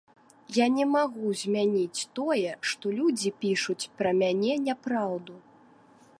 Я не магу змяніць тое, што людзі пішуць пра мяне няпраўду.